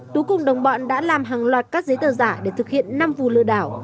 tú cùng đồng bọn đã làm hàng loạt các giấy tờ giả để thực hiện năm vụ lừa đảo